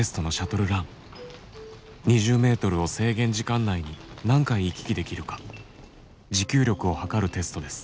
２０メートルを制限時間内に何回行き来できるか持久力を測るテストです。